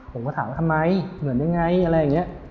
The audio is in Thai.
ผมก็ถามว่าทำไมเหมือนยังไงอะไรอย่างนี้